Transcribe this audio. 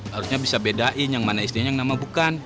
harusnya bisa bedain yang mana istrinya yang nama bukan